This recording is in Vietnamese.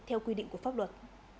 theo quy định của pháo nhân